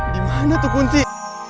dimana tuh kunti